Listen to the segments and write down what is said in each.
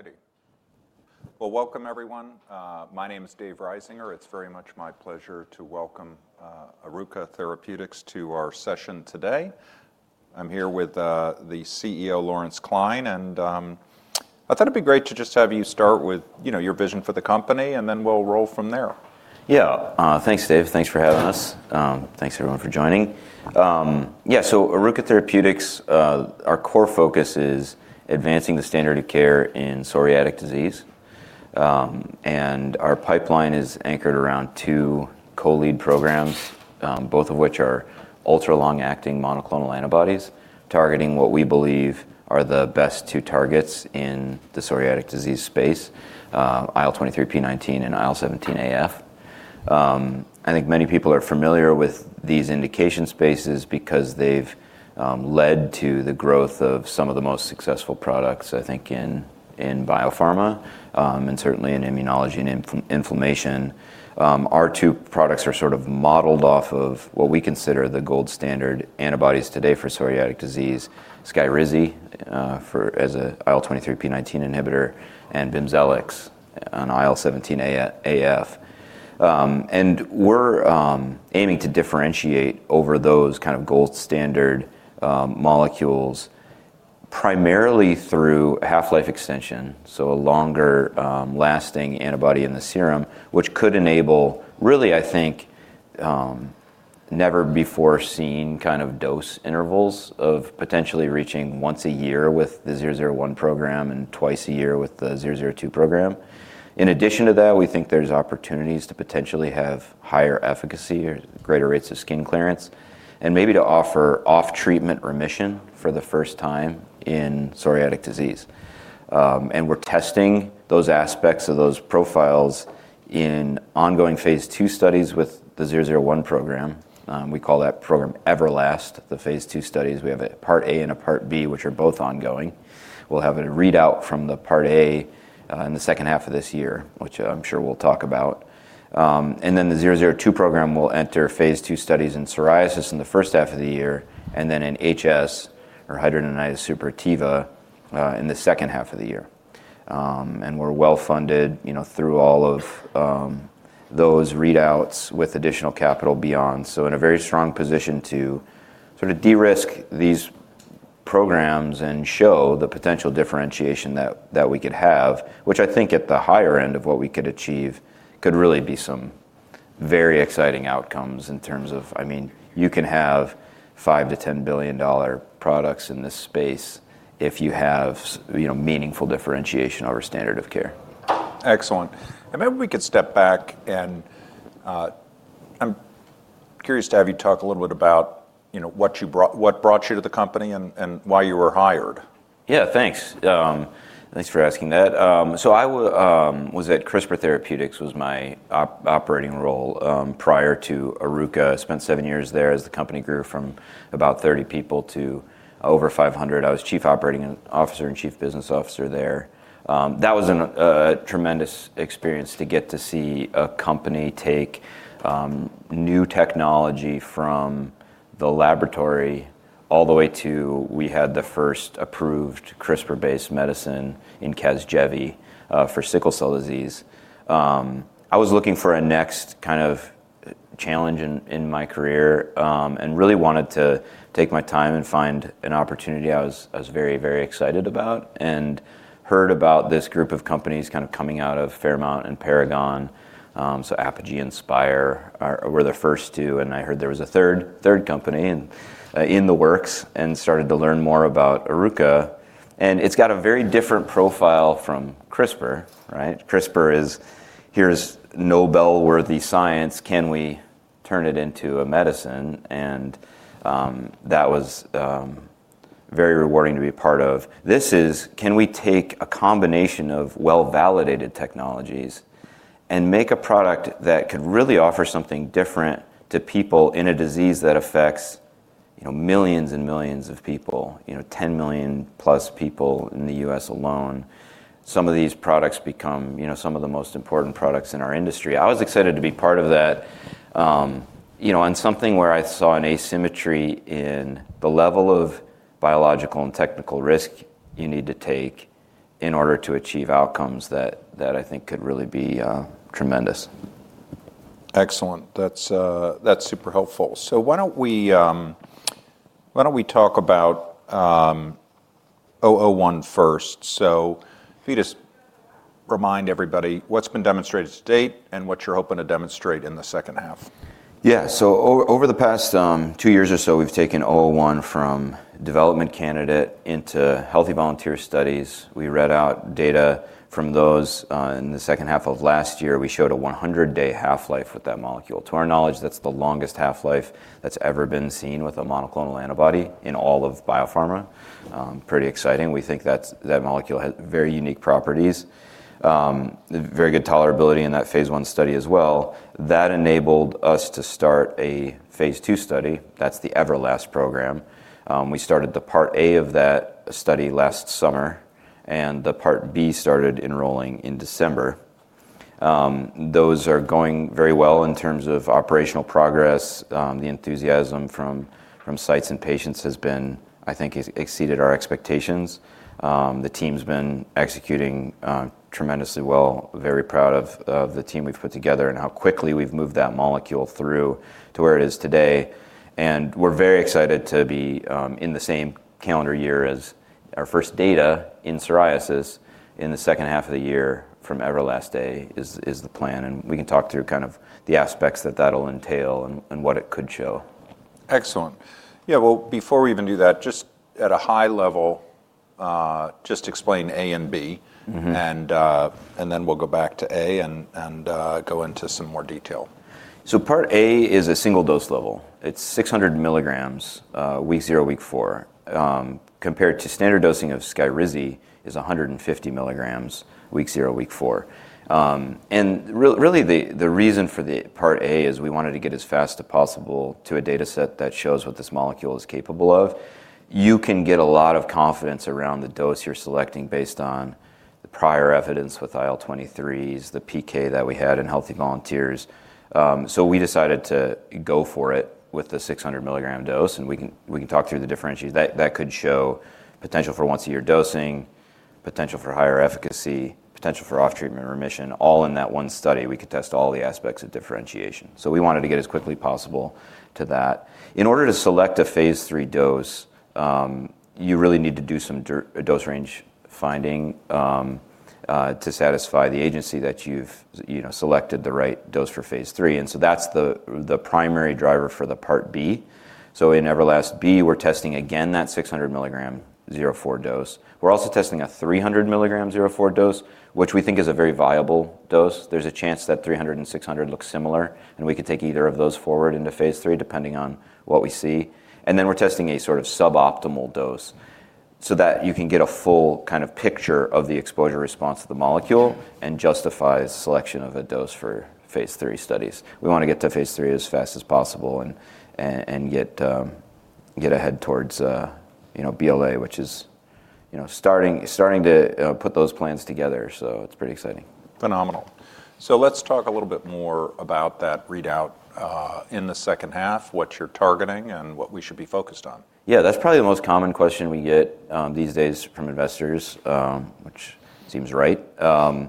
All righty. Well, welcome everyone. My name is David Risinger. It's very much my pleasure to welcome Oruka Therapeutics to our session today. I'm here with the CEO, Lawrence Klein, and I thought it'd be great to just have you start with your vision for the company, and then we'll roll from there. Yeah. Thanks, David. Thanks for having us. Thanks everyone for joining. Oruka Therapeutics, our core focus is advancing the standard of care in psoriatic disease. Our pipeline is anchored around two co-lead programs, both of which are ultra-long acting monoclonal antibodies targeting what we believe are the best two targets in the psoriatic disease space, IL-23p19 and IL-17AF. I think many people are familiar with these indication spaces because they've led to the growth of some of the most successful products, I think, in biopharma, and certainly in immunology and inflammation. Our two products are sort of modeled off of what we consider the gold standard antibodies today for psoriatic disease, Skyrizi, for as a IL-23p19 inhibitor and BIMZELX on IL-17AF. We're aiming to differentiate over those kind of gold standard molecules primarily through half-life extension, so a longer lasting antibody in the serum, which could enable really, I think, never before seen kind of dose intervals of potentially reaching once a year with the ORKA-001 program and twice a year with the ORKA-002 program. In addition to that, we think there's opportunities to potentially have higher efficacy or greater rates of skin clearance, and maybe to offer off treatment remission for the first time in psoriatic disease. We're testing those aspects of those profiles in ongoing Phase II studies with the ORKA-001 program. We call that program EVERLAST, the Phase II studies. We have a part A and a part B, which are both ongoing. We'll have a readout from the part A in the second half of this year, which I'm sure we'll talk about. And then the 002 program will enter Phase II studies in psoriasis in the first half of the year, and then in HS, or hidradenitis suppurativa, in the second half of the year. And we're well-funded through all of those readouts with additional capital beyond. In a very strong position to sort of de-risk these programs and show the potential differentiation that we could have, which I think at the higher end of what we could achieve could really be some very exciting outcomes in terms of I mean, you can have $5 to 10 billion products in this space if you have meaningful differentiation over standard of care. Excellent. Maybe we could step back and I'm curious to have you talk a little bit about what brought you to the company and why you were hired. Yeah, thanks. Thanks for asking that. So I was at CRISPR Therapeutics, was my operating role, prior to Oruka. Spent seven years there as the company grew from about 30 people to over 500. I was chief operating officer and chief business officer there. That was a tremendous experience to get to see a company take new technology from the laboratory all the way to we had the first approved CRISPR-based medicine in Casgevy for sickle cell disease. I was looking for a next kind of challenge in my career and really wanted to take my time and find an opportunity I was very excited about and heard about this group of companies kind of coming out of Fairmount and Paragon. Apogee Inspire were the first two, and I heard there was a third company in the works and started to learn more about Oruka. It's got a very different profile from CRISPR, right? CRISPR is, here's Nobel-worthy science, can we turn it into a medicine? That was very rewarding to be a part of. This is, can we take a combination of well-validated technologies and make a product that could really offer something different to people in a disease that affects millions and millions of people 10 million plus people in the U.S. alone. Some of these products become some of the most important products in our industry. I was excited to be part of that on something where I saw an asymmetry in the level of biological and technical risk you need to take in order to achieve outcomes that I think could really be, tremendous. Excellent. That's super helpful. Why don't we talk about ORKA-001 first? If you just remind everybody what's been demonstrated to date and what you're hoping to demonstrate in the second half. Yeah. Over the past two years or so, we've taken ORKA-001 from development candidate into healthy volunteer studies. We read out data from those in the second half of last year. We showed a 100-day half-life with that molecule. To our knowledge, that's the longest half-life that's ever been seen with a monoclonal antibody in all of pharma. Pretty exciting. We think that molecule has very unique properties. Very good tolerability in that Phase I study as well. That enabled us to start a Phase II study. That's the EVERLAST program. We started Part A of that study last summer, and Part B started enrolling in December. Those are going very well in terms of operational progress. The enthusiasm from sites and patients has been, I think, exceeded our expectations. The team's been executing tremendously well. Very proud of the team we've put together and how quickly we've moved that molecule through to where it is today. We're very excited to be in the same calendar year as our first data in psoriasis in the second half of the year from EVERLAST-A is the plan. We can talk through kind of the aspects that that'll entail and what it could show. Excellent. Yeah, well, before we even do that, just at a high level, just explain A and B. Mm-hmm. We'll go back to A and go into some more detail. Part A is a single dose level. It's 600 milligrams, week zero, week four, compared to standard dosing of Skyrizi is 150 milligrams week zero, week four. Really the reason for the Part A is we wanted to get as fast as possible to a dataset that shows what this molecule is capable of. You can get a lot of confidence around the dose you're selecting based on the prior evidence with IL-23s, the PK that we had in healthy volunteers. We decided to go for it with the 600 milligram dose, and we can talk through that that could show potential for once-a-year dosing, potential for higher efficacy, potential for off-treatment remission, all in that one study. We could test all the aspects of differentiation. We wanted to get as quickly possible to that. In order to select a Phase III dose, you really need to do some dose range finding to satisfy the agency that you've selected the right dose for Phase III, and that's the primary driver for the Part B. In EVERLAST-B, we're testing again that 600 mg Q4 dose. We're also testing a 300 mg Q4 dose, which we think is a very viable dose. There's a chance that 300 and 600 look similar, and we could take either of those forward into Phase III, depending on what we see. Then we're testing a sort of suboptimal dose so that you can get a full kind of picture of the exposure response to the molecule and justify selection of a dose for Phase III studies. We want to get to phase three as fast as possible and get ahead towards you know BLA, which is you know starting to put those plans together. So it's pretty exciting. Phenomenal. Let's talk a little bit more about that readout in the second half, what you're targeting and what we should be focused on. Yeah, that's probably the most common question we get these days from investors, which seems right. The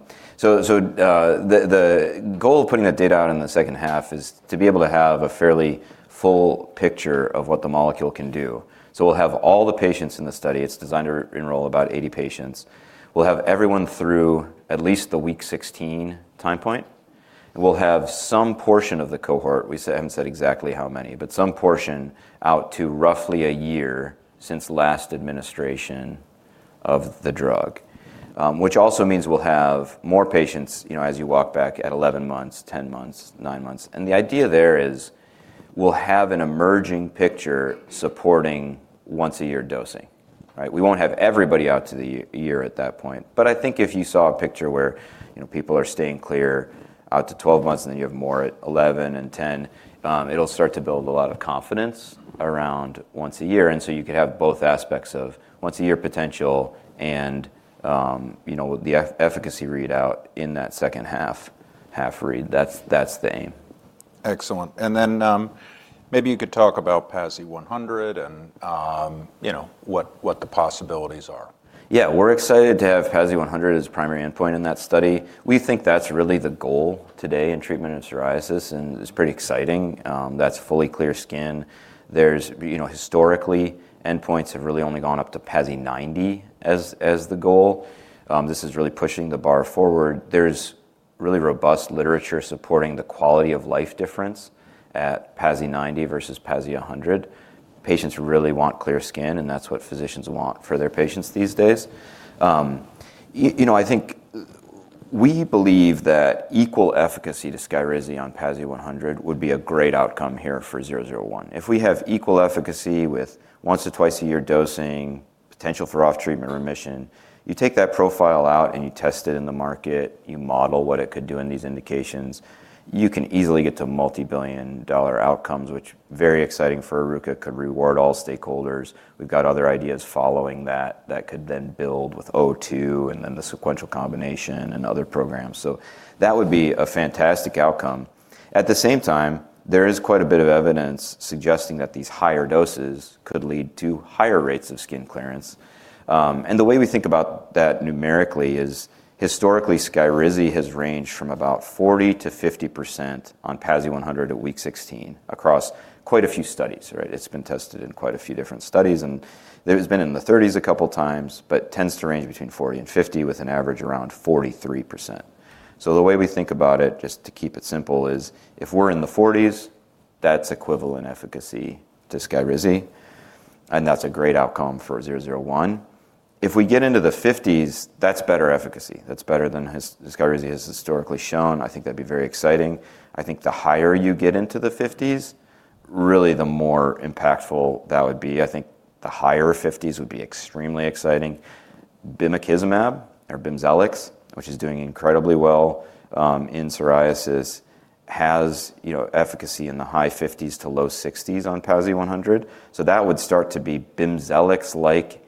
goal of putting that data out in the second half is to be able to have a fairly full picture of what the molecule can do. We'll have all the patients in the study. It's designed to enroll about 80 patients. We'll have everyone through at least the week 16 time point, and we'll have some portion of the cohort. We haven't said exactly how many, but some portion out to roughly a year since last administration of the drug. Which also means we'll have more patients as you walk back at 11 months, 10 months, 9 months. The idea there is we'll have an emerging picture supporting once-a-year dosing, right? We won't have everybody out to the year at that point. I think if you saw a picture where people are staying clear out to 12 months, and then you have more at 11 and 10, it'll start to build a lot of confidence around once a year. You could have both aspects of once-a-year potential and the efficacy readout in that second half read. That's the aim. Excellent. Maybe you could talk about PASI 100 and what the possibilities are. Yeah. We're excited to have PASI 100 as a primary endpoint in that study. We think that's really the goal today in treatment of psoriasis, and it's pretty exciting. That's fully clear skin. Historically, endpoints have really only gone up to PASI 90 as the goal. This is really pushing the bar forward. There's really robust literature supporting the quality of life difference at PASI 90 versus PASI 100. Patients really want clear skin, and that's what physicians want for their patients these days. I think we believe that equal efficacy to Skyrizi on PASI 100 would be a great outcome here for ORKA-001. If we have equal efficacy with once or twice-a-year dosing, potential for off-treatment remission, you take that profile out and you test it in the market, you model what it could do in these indications, you can easily get to $ multi-billion-dollar outcomes, which very exciting for Oruka, could reward all stakeholders. We've got other ideas following that could then build with ORKA-002 and then the sequential combination and other programs. That would be a fantastic outcome. At the same time, there is quite a bit of evidence suggesting that these higher doses could lead to higher rates of skin clearance. And the way we think about that numerically is historically, Skyrizi has ranged from about 40% to 50% on PASI 100 at week 16 across quite a few studies, right? It's been tested in quite a few different studies, and it has been in the 30s a couple times, but tends to range between 40% and 50%, with an average around 43%. The way we think about it, just to keep it simple, is if we're in the 40s, that's equivalent efficacy to Skyrizi, and that's a great outcome for zero zero one. If we get into the 50s, that's better efficacy. That's better than Skyrizi has historically shown. I think that'd be very exciting. I think the higher you get into the 50s, really the more impactful that would be. I think the high 50s would be extremely exciting. bimekizumab or BIMZELX, which is doing incredibly well in psoriasis, has efficacy in the high 50s to low 60s on PASI 100. That would start to be BIMZELX-like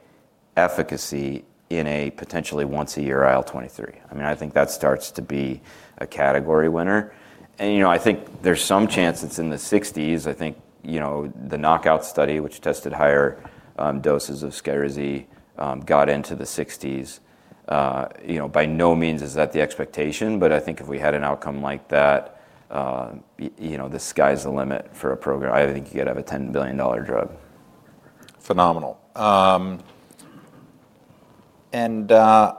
efficacy in a potentially once a year IL-23. I mean, I think that starts to be a category winner. I think there's some chance it's in the sixties. I think the knockout study, which tested higher doses of Skyrizi, got into the sixties. By no means is that the expectation, but I think if we had an outcome like that the sky's the limit for a program. I think you could have a $10 billion drug. Phenomenal. I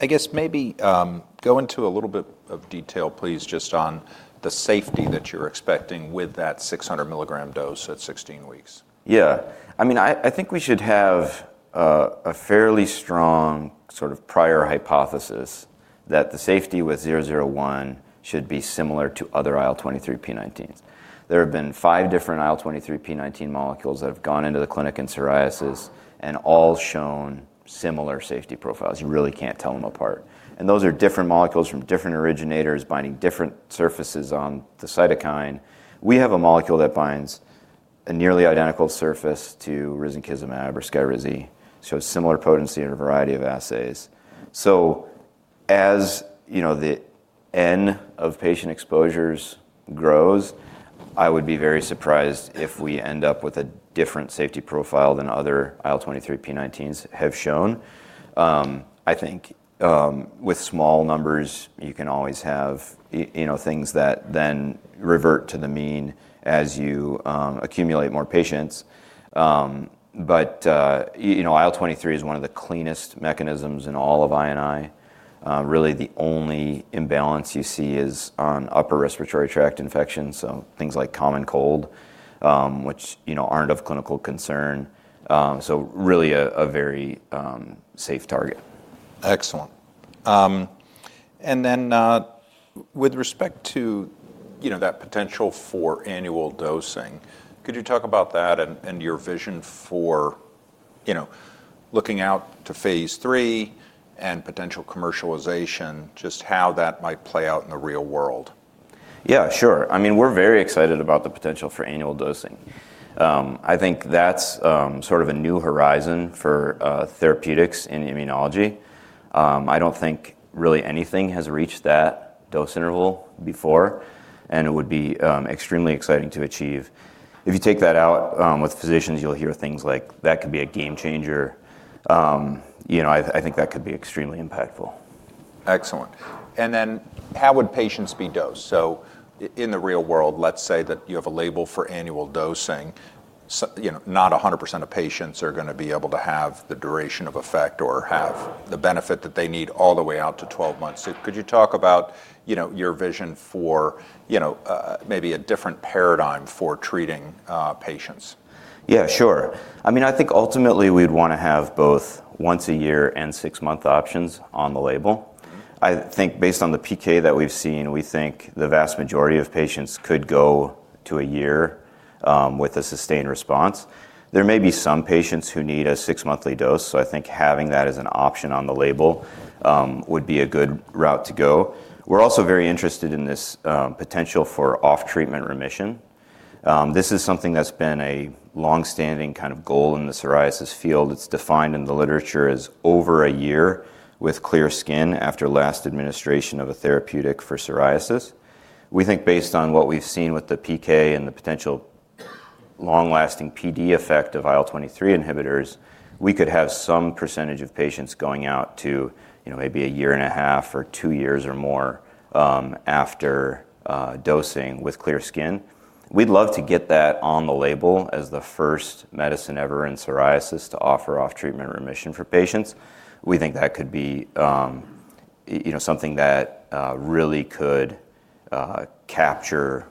guess maybe, go into a little bit of detail please just on the safety that you're expecting with that 600 milligram dose at 16 weeks. Yeah. I mean, I think we should have a fairly strong sort of prior hypothesis that the safety with zero zero one should be similar to other IL-23p19s. There have been five different IL-23p19 molecules that have gone into the clinic in psoriasis and all shown similar safety profiles. You really can't tell them apart. Those are different molecules from different originators binding different surfaces on the cytokine. We have a molecule that binds a nearly identical surface to risankizumab or Skyrizi, shows similar potency in a variety of assays. As the N of patient exposures grows, I would be very surprised if we end up with a different safety profile than other IL-23p19s have shown. I think with small numbers you can always have things that then revert to the mean as you accumulate more patients. IL-23 is one of the cleanest mechanisms in all of I&I. Really the only imbalance you see is on upper respiratory tract infections, so things like common cold, which aren't of clinical concern. Really a very safe target. Excellent. With respect to that potential for annual dosing, could you talk about that and your vision for looking out to Phase III and potential commercialization, just how that might play out in the real world? Yeah, sure. I mean, we're very excited about the potential for annual dosing. I think that's sort of a new horizon for therapeutics in immunology. I don't think really anything has reached that dose interval before, and it would be extremely exciting to achieve. If you take that out with physicians, you'll hear things like, "That could be a game changer." I think that could be extremely impactful. Excellent. How would patients be dosed? In the real world, let's say that you have a label for annual dosing. Not 100% of patients are going to be able to have the duration of effect or have the benefit that they need all the way out to 12 months. Could you talk about your vision for maybe a different paradigm for treating patients? Yeah, sure. Ultimately we'd want to have both once a year and six-month options on the label. Mm-hmm. I think based on the PK that we've seen, we think the vast majority of patients could go to a year with a sustained response. There may be some patients who need a six-monthly dose, so I think having that as an option on the label would be a good route to go. We're also very interested in this potential for off-treatment remission. This is something that's been a long-standing kind of goal in the psoriasis field. It's defined in the literature as over a year with clear skin after last administration of a therapeutic for psoriasis. We think based on what we've seen with the PK and the potential long-lasting PD effect of IL-23 inhibitors, we could have some percentage of patients going out to maybe a year and a half or two years or more after dosing with clear skin. We'd love to get that on the label as the first medicine ever in psoriasis to offer off-treatment remission for patients. We think that could be something that really could capture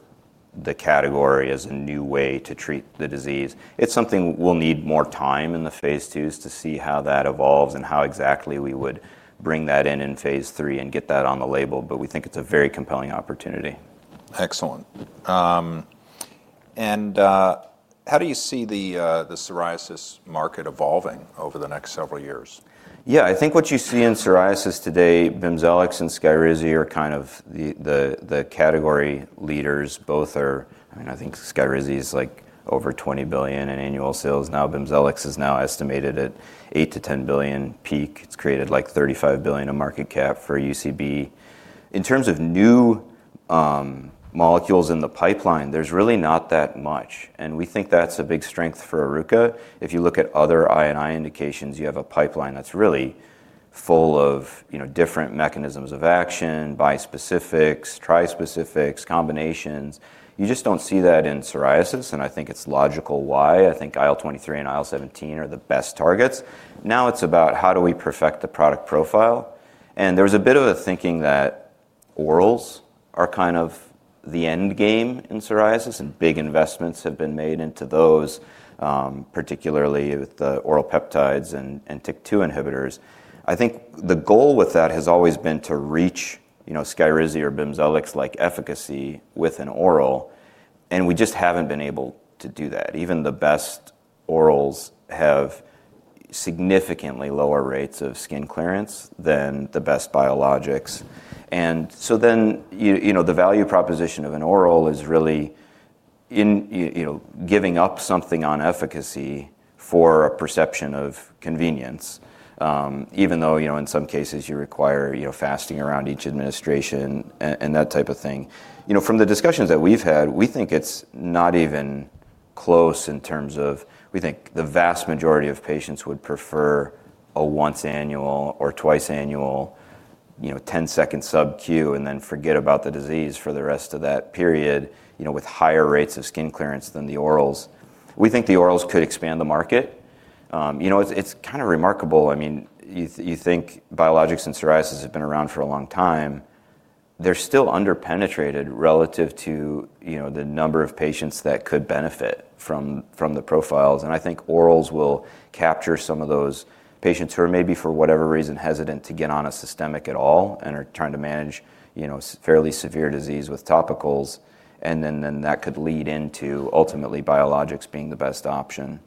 the category as a new way to treat the disease. It's something we'll need more time in thePhase IIs to see how that evolves and how exactly we would bring that in in phase three and get that on the label, but we think it's a very compelling opportunity. Excellent. How do you see the psoriasis market evolving over the next several years? Yeah. I think what you see in psoriasis today, BIMZELX and Skyrizi are kind of the category leaders. Both are. I mean, I think Skyrizi is, like, over $20 billion in annual sales now. BIMZELX is now estimated at $8 to 10 billion peak. It's created, like, $35 billion of market cap for UCB. In terms of new molecules in the pipeline, there's really not that much, and we think that's a big strength for Oruka. If you look at other I&I indications, you have a pipeline that's really full of different mechanisms of action, bispecifics, trispecifics, combinations. You just don't see that in psoriasis, and I think it's logical why. I think IL-23 and IL-17 are the best targets. Now it's about how do we perfect the product profile. There's a bit of a thinking that orals are kind of the end game in psoriasis, and big investments have been made into those, particularly with the oral peptides and TYK2 inhibitors. I think the goal with that has always been to reach Skyrizi or BIMZELX-like efficacy with an oral, and we just haven't been able to do that. Even the best orals have significantly lower rates of skin clearance than the best biologics. The value proposition of an oral is really in giving up something on efficacy for a perception of convenience, even though in some cases you require fasting around each administration and that type of thing. From the discussions that we've had, we think it's not even close in terms of. We think the vast majority of patients would prefer a once annual or twice annual ten-second sub Q and then forget about the disease for the rest of that period with higher rates of skin clearance than the orals. We think the orals could expand the market. It's kinda remarkable. I mean, you think biologics and psoriasis have been around for a long time. They're still under-penetrated relative to the number of patients that could benefit from the profiles, and I think orals will capture some of those patients who are maybe, for whatever reason, hesitant to get on a systemic at all and are trying to manage fairly severe disease with topicals, and then that could lead into ultimately biologics being the best option.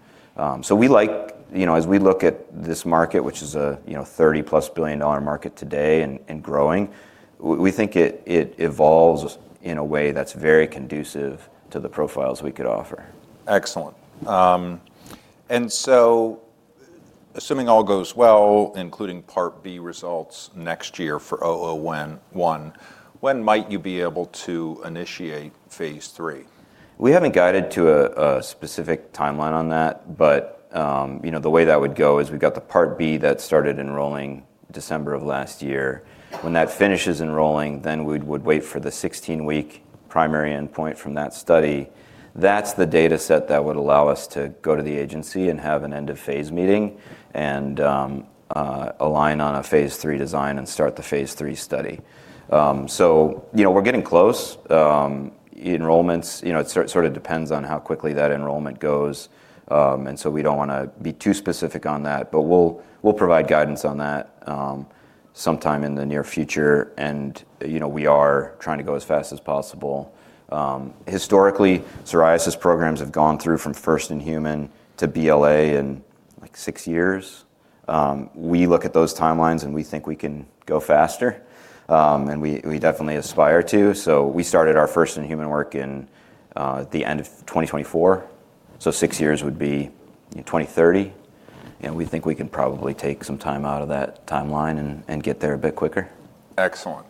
We like as we look at this market, which is a $30+ billion market today and growing, we think it evolves in a way that's very conducive to the profiles we could offer. Excellent. Assuming all goes well, including Part B results next year for ORKA-001, when might you be able to initiate Phase III? We haven't guided to a specific timeline on that. The way that would go is we've got the Part B that started enrolling December of last year. When that finishes enrolling, then we'd wait for the 16-week primary endpoint from that study. That's the dataset that would allow us to go to the agency and have an end-of-phase meeting and align on a Phase III design and start the Phase III study. We're getting close. enrollments it sort of depends on how quickly that enrollment goes, and we don't want to be too specific on that. We'll provide guidance on that sometime in the near future, and we are trying to go as fast as possible. Historically, psoriasis programs have gone through from first in human to BLA in, like, six years. We look at those timelines, and we think we can go faster, and we definitely aspire to. We started our first in human work in the end of 2024, so six years would be 2030, and we think we can probably take some time out of that timeline and get there a bit quicker. Excellent.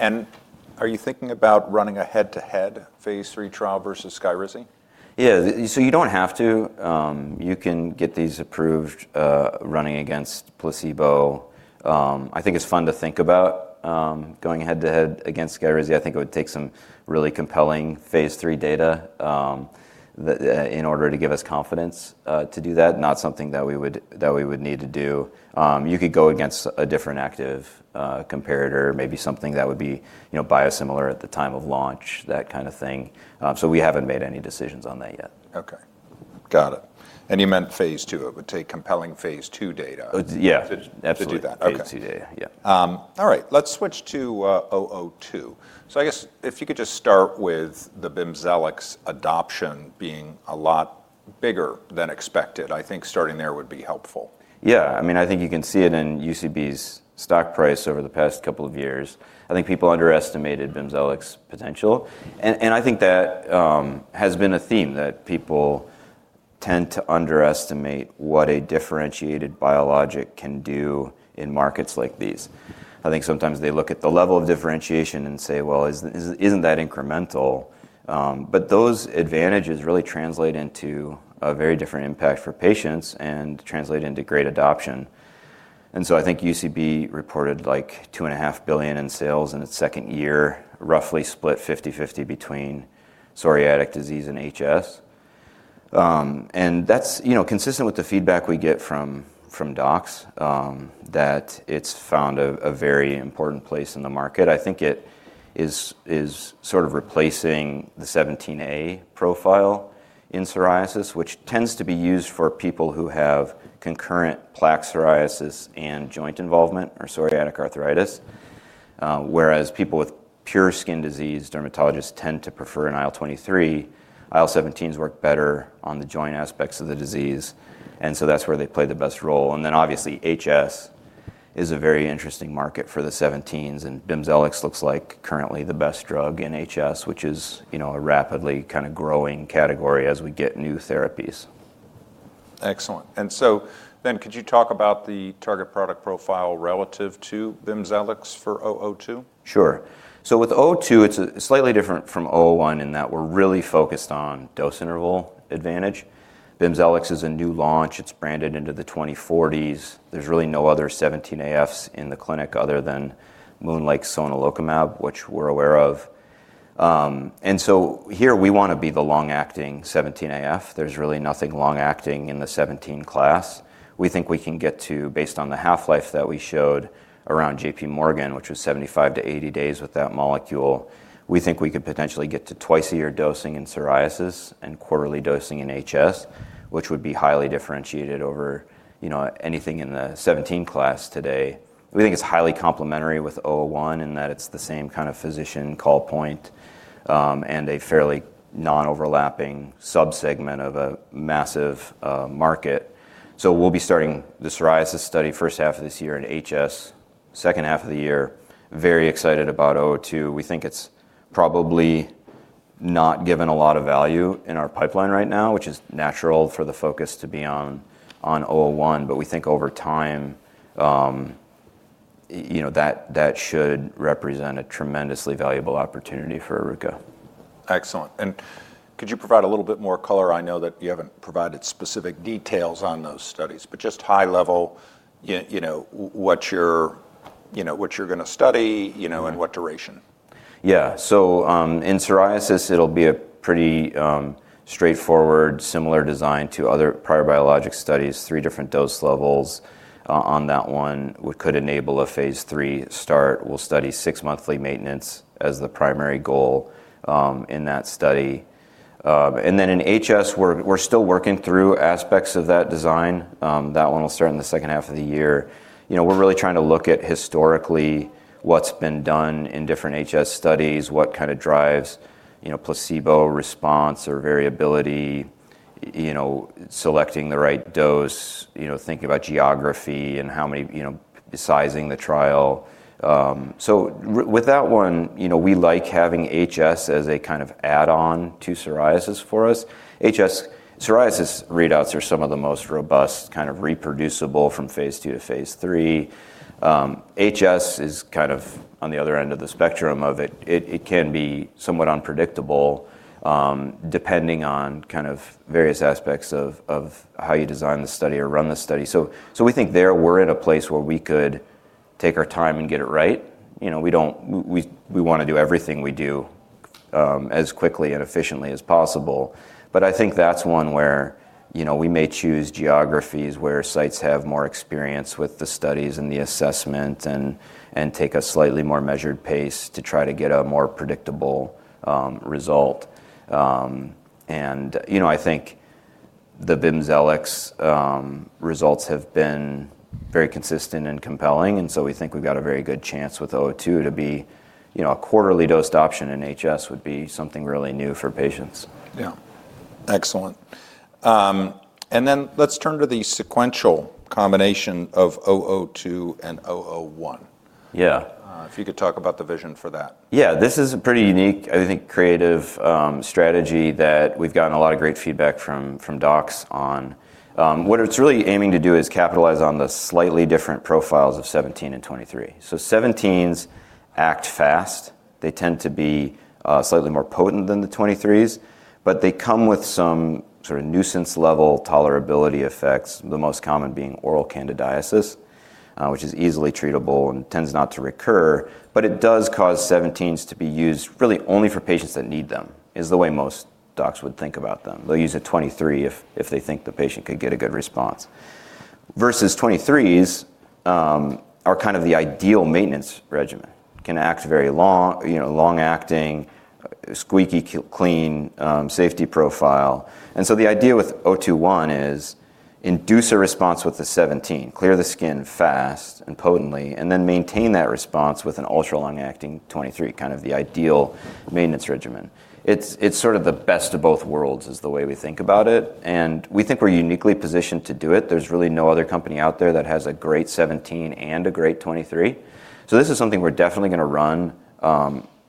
Are you thinking about running a head-to-head Phase III trial versus Skyrizi? Yeah. You don't have to. You can get these approved, running against placebo. I think it's fun to think about going head-to-head against Skyrizi. I think it would take some really compelling Phase III data in order to give us confidence to do that, not something that we would need to do. You could go against a different active comparator, maybe something that would be biosimilar at the time of launch, that kind of thing. We haven't made any decisions on that yet. Okay. Got it. You meant Phase II. It would take compelling Phase II data- Yeah. to do that. Absolutely. Okay. Phase II data. Yeah. All right. Let's switch to ORKA-002. I guess if you could just start with the BIMZELX adoption being a lot bigger than expected, I think starting there would be helpful. Yeah. I mean, I think you can see it in UCB's stock price over the past couple of years. I think people underestimated BIMZELX potential and I think that has been a theme that people tend to underestimate what a differentiated biologic can do in markets like these. I think sometimes they look at the level of differentiation and say, "Well, isn't that incremental?" But those advantages really translate into a very different impact for patients and translate into great adoption. I think UCB reported, like, $2.5 billion in sales in its second year, roughly split 50/50 between psoriatic disease and HS. And that's consistent with the feedback we get from docs that it's found a very important place in the market. I think it is sort of replacing the IL-17A profile in psoriasis, which tends to be used for people who have concurrent plaque psoriasis and joint involvement or psoriatic arthritis, whereas people with pure skin disease, dermatologists tend to prefer an IL-23. IL-17s work better on the joint aspects of the disease, and so that's where they play the best role. Obviously, HS is a very interesting market for the IL-17s, and BIMZELX looks like currently the best drug in HS, which is a rapidly kinda growing category as we get new therapies. Excellent. Could you talk about the target product profile relative to BIMZELX for ORKA-002? Sure. With ORKA-002, it's slightly different from ORKA-001 in that we're really focused on dose interval advantage. BIMZELX is a new launch. It's branded into the 2040s. There's really no other IL-17AFs in the clinic other than MoonLake's sonelokimab, which we're aware of. Here we want to be the long-acting IL-17AF. There's really nothing long-acting in the IL-17 class. We think we can get to, based on the half-life that we showed around JP Morgan, which was 75-80 days with that molecule, we think we could potentially get to twice-a-year dosing in psoriasis and quarterly dosing in HS, which would be highly differentiated over anything in the IL-17 class today. We think it's highly complementary with ORKA-001 in that it's the same kind of physician call point, and a fairly non-overlapping subsegment of a massive market. We'll be starting the psoriasis study first half of this year in HS. Second half of the year. Very excited about ORKA-002. We think it's probably not given a lot of value in our pipeline right now, which is natural for the focus to be on ORKA-001. We think over time that should represent a tremendously valuable opportunity for Oruka. Excellent. Could you provide a little bit more color? I know that you haven't provided specific details on those studies, but just high level what you're going to study and what duration? Yeah. In psoriasis it'll be a pretty straightforward, similar design to other prior biologic studies. 3 different dose levels on that one. We could enable a Phase III start. We'll study 6 monthly maintenance as the primary goal in that study. In HS we're still working through aspects of that design. That one will start in the second half of the year. We're really trying to look at historically what's been done in different HS studies, what kinda drives placebo response or variability selecting the right dose thinking about geography and how many sizing the trial. With that one we like having HS as a kind of add-on to psoriasis for us. HS. Psoriasis readouts are some of the most robust, kind of reproducible from Phase II to Phase III. HS is kind of on the other end of the spectrum of it. It can be somewhat unpredictable, depending on kind of various aspects of how you design the study or run the study. We think that we're in a place where we could take our time and get it right. We want to do everything we do as quickly and efficiently as possible. I think that's one where we may choose geographies where sites have more experience with the studies and the assessment and take a slightly more measured pace to try to get a more predictable result. I think the BIMZELX results have been very consistent and compelling, so we think we've got a very good chance with ORKA-002 to be a quarterly dosed option in HS would be something really new for patients. Yeah. Excellent. Let's turn to the sequential combination of ORKA-002 and ORKA-001. Yeah. If you could talk about the vision for that? Yeah. This is a pretty unique, I think creative, strategy that we've gotten a lot of great feedback from docs on. What it's really aiming to do is capitalize on the slightly different profiles of IL-17 and IL-23. IL-17s act fast. They tend to be slightly more potent than the IL-23s, but they come with some sort of nuisance level tolerability effects, the most common being oral candidiasis, which is easily treatable and tends not to recur. It does cause IL-17s to be used really only for patients that need them, is the way most docs would think about them. They'll use an IL-23 if they think the patient could get a good response. Versus IL-23s are kind of the ideal maintenance regimen. Can act very long long-acting, squeaky clean safety profile. The idea with ORKA-021 is induce a response with the IL-17, clear the skin fast and potently, and then maintain that response with an ultra long-acting IL-23, kind of the ideal maintenance regimen. It's sort of the best of both worlds is the way we think about it, and we think we're uniquely positioned to do it. There's really no other company out there that has a great IL-17 and a great IL-23. This is something we're definitely going to run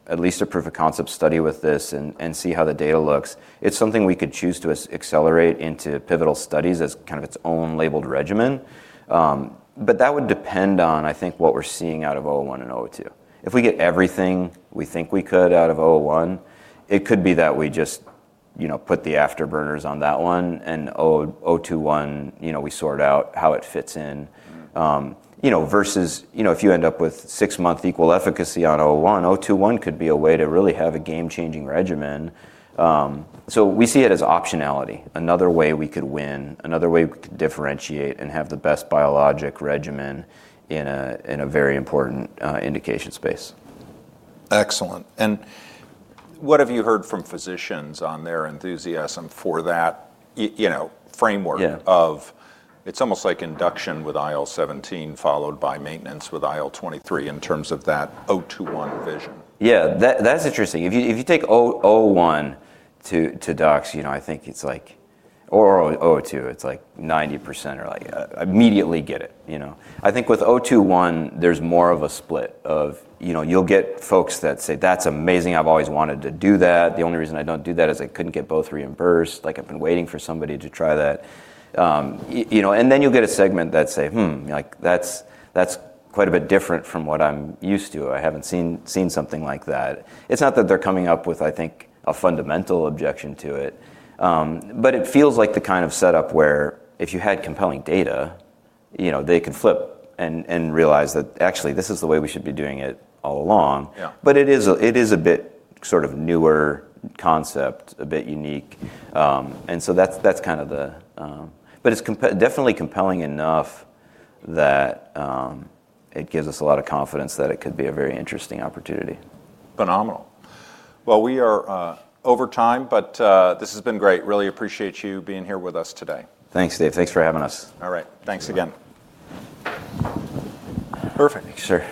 at least a proof of concept study with this and see how the data looks. It's something we could choose to accelerate into pivotal studies as kind of its own labeled regimen. That would depend on, I think, what we're seeing out of ORKA-001 and ORKA-002. If we get everything we think we could out of ORKA-001, it could be that we just put the afterburners on that one, and ORKA-021 we sort out how it fits in. Versus if you end up with six-month equal efficacy on ORKA-001, ORKA-021 could be a way to really have a game-changing regimen. So we see it as optionality, another way we could win, another way we could differentiate and have the best biologic regimen in a very important indication space. Excellent. What have you heard from physicians on their enthusiasm for that framework? Yeah It's almost like induction with IL-17 followed by maintenance with IL-23 in terms of that ORKA-021 vision. Yeah. That's interesting. If you take ORKA-001 to docs I think it's like. Or ORKA-002, it's like 90% are like, immediately get it, you know. I think with ORKA-021, there's more of a split of you'll get folks that say, "That's amazing. I've always wanted to do that. The only reason I don't do that is I couldn't get both reimbursed. Like I've been waiting for somebody to try that." then you'll get a segment that says, "Hmm, like that's quite a bit different from what I'm used to. I haven't seen something like that. It's not that they're coming up with, I think, a fundamental objection to it, but it feels like the kind of setup where if you had compelling data they could flip and realize that actually this is the way we should be doing it all along. Yeah. It is a bit sort of newer concept, a bit unique. It's definitely compelling enough that it gives us a lot of confidence that it could be a very interesting opportunity. Phenomenal. Well, we are over time, but this has been great. Really appreciate you being here with us today. Thanks, Dave. Thanks for having us. All right. Thanks again. Perfect. Sure.